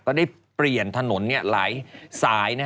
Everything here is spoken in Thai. ได้เปลี่ยนถนนหลายสาย